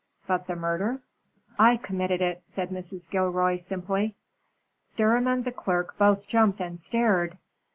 "But the murder?" "I committed it," said Mrs. Gilroy, simply. Durham and the clerk both jumped and stared.